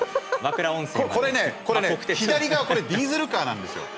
これね、これね左側ディーゼルカーなんですよ。